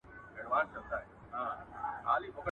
• که ټول جهان طبيب سي، چاري واړه په نصيب سي.